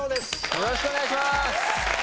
よろしくお願いします！